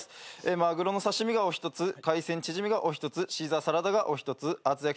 マグロの刺し身がお一つ海鮮チヂミがお一つシーザーサラダがお一つ厚焼き卵がお一つ